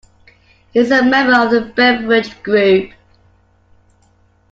He is a member of the Beveridge Group.